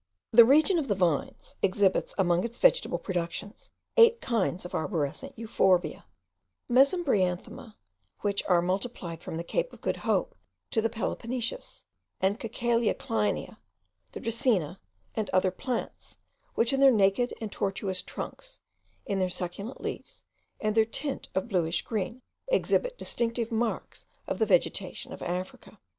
The region of the vines exhibits, among its vegetable productions, eight kinds of arborescent Euphorbia; Mesembrianthema, which are multiplied from the Cape of Good Hope to the Peloponnesus; the Cacalia Kleinia, the Dracaena, and other plants, which in their naked and tortuous trunks, in their succulent leaves, and their tint of bluish green, exhibit distinctive marks of the vegetation of Africa.